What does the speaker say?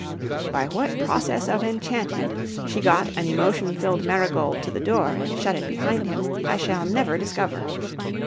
By what process of enchantment she got an emotion filled Marigold to the door and shut it behind him, I shall never discover.